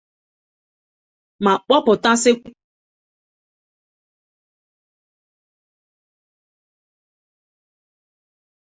ma kpọpụtasịkwa ihe gọọmenti megoro na ngalaba ahụike steeti ahụ